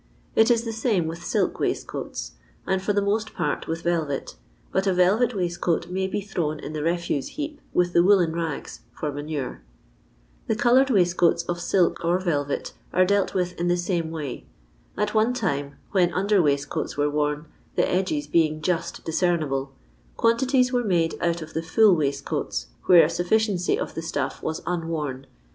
It is the same with silk waistcoats, and for the most part with velvet, but a velvet waistcoat may be thrown in the refuse heap with the woollen rags for manure. The coloured waistcoats of irtlk or velvet are dealt with in the same way. At one time, when under waistcoats were worn, the edges being just discernible, quantities were made out of the full waistcoats where a sufficiency of the stuff was unworn.